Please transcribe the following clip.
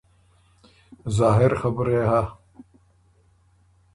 ظاهر خبُره يې هۀ